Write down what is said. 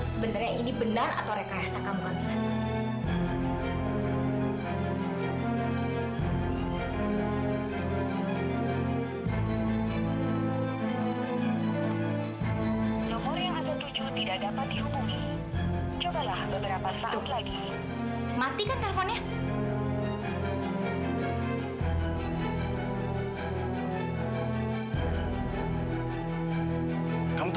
sebenarnya ini benar atau rekayasa kamu kamila